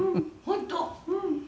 「本当？」